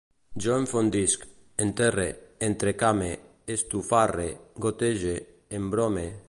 Jo enfondisc, enterre, entrecame, estufarre, gotege, embrome